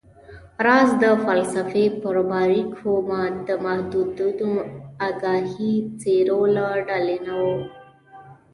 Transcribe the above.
راز د فلسفې پر باریکیو د محدودو آګاهو څیرو له ډلې نه و